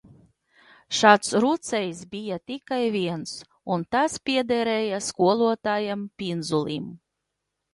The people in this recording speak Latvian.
Šāds rūcējs bija tikai viens un tas piederēja skolotājam Pinzulim.